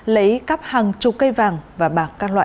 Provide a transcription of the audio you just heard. lấy cắp hàng chục cây vàng và bạc các loại